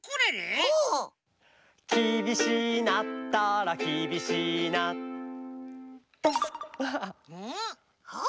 きびしいなったらきびしいなうん？はあ？